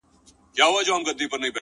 • درې څلور یې وه بچي پکښي ساتلي ,